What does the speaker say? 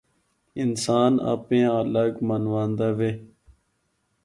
انسان آپے آں الگ منواں دا وے۔